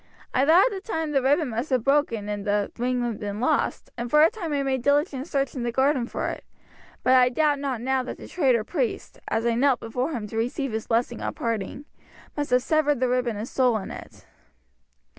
I thought at the time the ribbon must have broken and the ring been lost, and for a time I made diligent search in the garden for it; but I doubt not now that the traitor priest, as I knelt before him to receive his blessing on parting, must have severed the ribbon and stolen it."